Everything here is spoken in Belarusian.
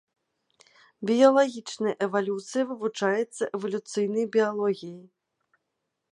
Біялагічная эвалюцыя вывучаецца эвалюцыйнай біялогіяй.